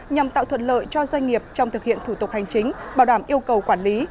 nhằm tạo thuận lợi cho doanh nghiệp trong thực hiện thủ tục hành chính bảo đảm yêu cầu quản lý